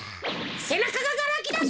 せなかががらあきだぞ！